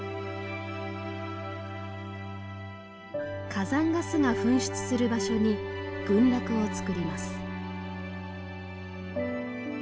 火山ガスが噴出する場所に群落をつくります。